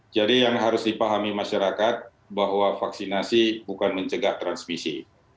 jadi yang harus dipahami masyarakat bahwa vaksinasi bukan mencegah transmisi